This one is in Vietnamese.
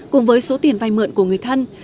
cùng với số tiền vay mượn của người thân